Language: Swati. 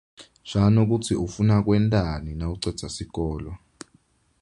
Shano kutsi ufuna kwentani nawucedza sikolo.